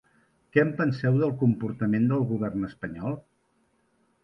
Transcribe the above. Què en penseu del comportament del govern espanyol?